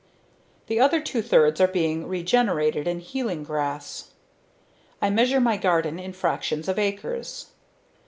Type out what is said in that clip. The other two thirds are being regenerated in healing grass. I measure my garden in fractions of acres.